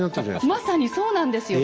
まさにそうなんですよ。